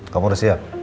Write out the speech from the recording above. kamu udah siap